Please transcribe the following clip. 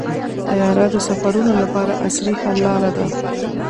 طیاره د سفرونو لپاره عصري حل لاره ده.